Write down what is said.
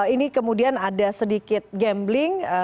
ini kemudian ada sedikit gambling